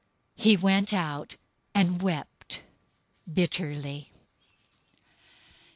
He went out and wept bitterly.